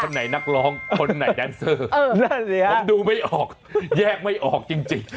ใครหน่อยนักร้องเพราะใครน่อยแดนเซอร์ผมดูไม่ออกแยกไม่ออกจริง